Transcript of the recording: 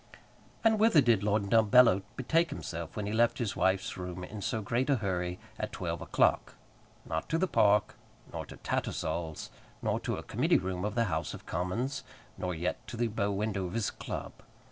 And whither did Lord Dumbello betake himself when he left his wife's room in so great a hurry at twelve o'clock? Not to the Park, nor to Tattersall's, nor to a Committee room of the House of Commons, nor yet to the bow window of his club.